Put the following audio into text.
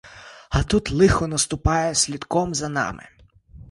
А тут лихо наступає слідком за нами.